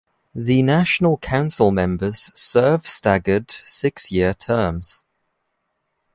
The National Council members serve staggered six-year terms.